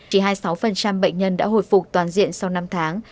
chỉ hai mươi sáu bệnh nhân đã hồi phục toàn diện sau năm tháng